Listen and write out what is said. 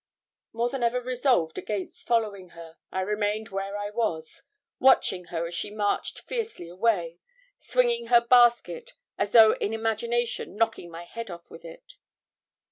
More than ever resolved against following her, I remained where I was, watching her as she marched fiercely away, swinging her basket as though in imagination knocking my head off with it.